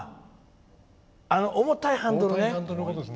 重たいハンドルね！